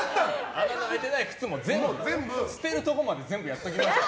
穴が開いてない靴も捨てるところまで全部やっときました。